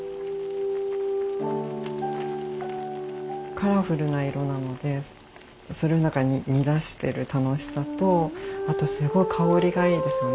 カラフルな色なのでそれをなんか煮出してる楽しさとあとすごい香りがいいですよね。